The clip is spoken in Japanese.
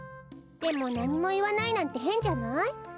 でもなにもいわないなんてへんじゃない？